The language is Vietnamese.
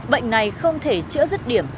bệnh này không thể chữa rứt điểm